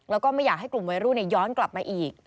แล้วก็ไม่อยากให้กลุ่มวัยรุ่นย้อนกลับมาอีก